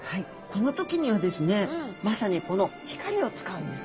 この時にはですねまさにこの光を使うんですね。